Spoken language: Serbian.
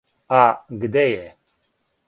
А, где је?